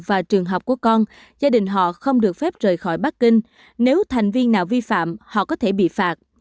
và trường học của con gia đình họ không được phép rời khỏi bắc kinh nếu thành viên nào vi phạm họ có thể bị phạt